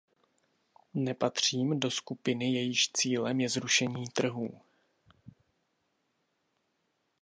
Nepatřím do skupiny, jejímž cílem je zrušení trhů.